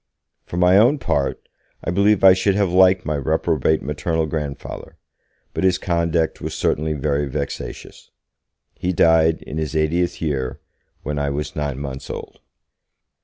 For my own part, I believe I should have liked my reprobate maternal grandfather, but his conduct was certainly very vexatious. He died, in his eightieth year, when I was nine months old.